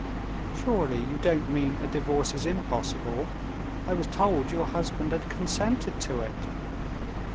"Surely you don't mean a divorce is impossible? I was told your husband had consented to it."